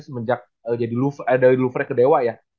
semenjak dari louvre ke dewa ya